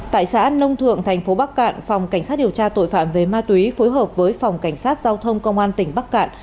tại xã nông thượng thành phố bắc cạn phòng cảnh sát điều tra tội phạm về ma túy phối hợp với phòng cảnh sát giao thông công an tỉnh bắc cạn